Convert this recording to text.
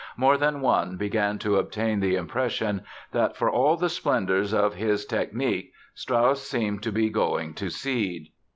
More than one began to obtain the impression that, for all the splendors of his technic Strauss seemed to be going to seed.